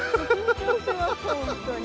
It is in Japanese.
本当に。